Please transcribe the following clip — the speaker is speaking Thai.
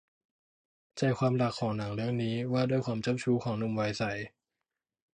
ใจความหลักของหนังเรื่องนี้ว่าด้วยความเจ้าชู้ของหนุ่มวัยใส